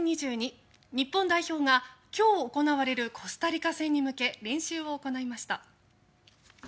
日本代表が、今日行われるコスタリカ戦に向け練習を行いました。